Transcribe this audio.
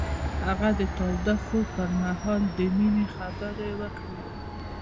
هغه د تاوده خوب پر مهال د مینې خبرې وکړې.